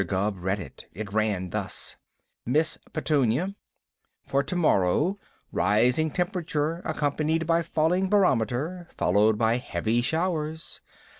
Gubb read it. It ran thus: MISS PETUNIA: For to morrow: Rising temperature accompanied by falling barometer, followed by heavy showers.